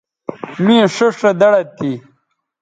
می ݜیئݜ رے دڑد تھی